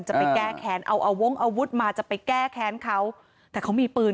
จะไปแก้แขนต้านต้องจะเอาน้ำอาวุธมาแต่เค้ามีปืน